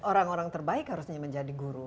orang orang terbaik harusnya menjadi guru